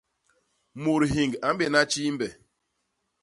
Mut hiñg a mbéna tjiimbe.